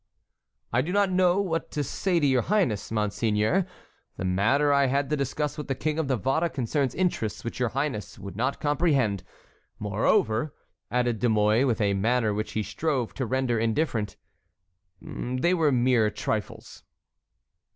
"I do not know what to say to your highness, monseigneur. The matter I had to discuss with the King of Navarre concerned interests which your highness would not comprehend. Moreover," added De Mouy with a manner which he strove to render indifferent, "they were mere trifles."